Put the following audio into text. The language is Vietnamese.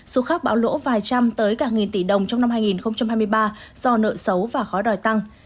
số khác bảo lỗ vài trăm tới cả nghìn tỷ đồng trong năm hai nghìn hai mươi ba do nợ xấu và khó đòi tăng